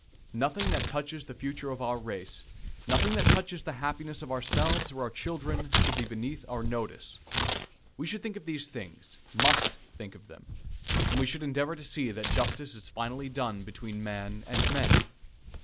Nothing that touches the future of our race, nothing that touches the happiness of ourselves or our children, should be beneath our notice. We should think of these things must think of them and we should endeavor to see that justice is finally done between man and man.